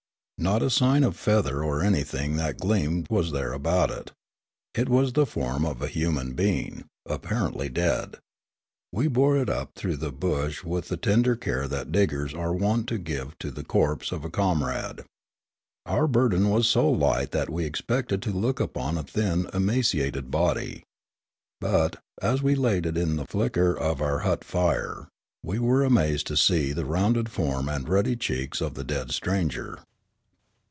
Not a sign of feather or anything that gleamed was there about it. It was the form of a human being, apparently dead. We bore it up through the bush with the tender care that diggers are wont to give to the corpse of a comrade. Our burden was so light that we expected to look upon a thin, emaciated body. But, as we laid it in the flicker of our hut fire, we were amazed to see the rounded form and rudd}' cheeks of the dead stranger.